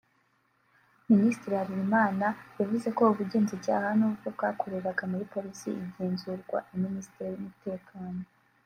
Minisitiri Harelimana yavuze ko ubugenzacyaha nubwo bwakoreraga muri Polisi igenzurwa na Minisiteri y’Umutekano